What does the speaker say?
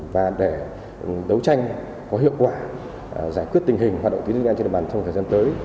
và để đấu tranh có hiệu quả giải quyết tình hình hoạt động tín dụng đen trên địa bàn trong thời gian tới